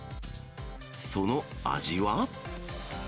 その味は？